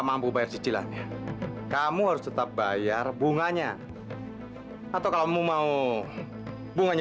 sampai jumpa di video selanjutnya